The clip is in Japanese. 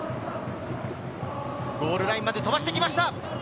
ゴールラインまで飛ばしてきました！